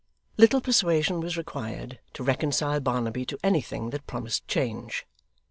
Little persuasion was required to reconcile Barnaby to anything that promised change.